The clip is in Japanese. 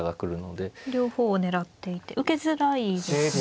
両方を狙っていて受けづらいですね。